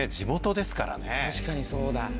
確かにそうだ。